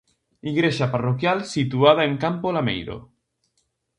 Igrexa parroquial situada en Campo Lameiro.